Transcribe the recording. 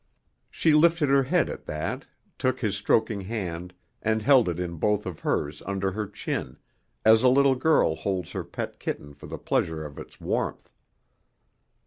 She lifted her head at that, took his stroking hand and held it in both of hers under her chin, as a little girl holds her pet kitten for the pleasure of its warmth.